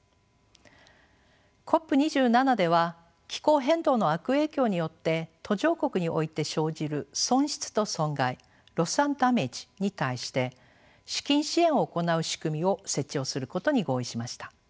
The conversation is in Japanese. ＣＯＰ２７では気候変動の悪影響によって途上国において生じる損失と損害ｌｏｓｓａｎｄｄａｍａｇｅに対して資金支援を行う仕組みを設置をすることに合意しました。